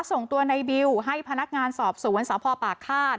ส่งตัวในบิวให้พนักงานสอบสวนสพปากฆาต